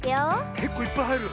けっこういっぱいはいる。